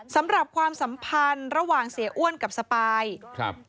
ความสัมพันธ์ระหว่างเสียอ้วนกับสปายครับ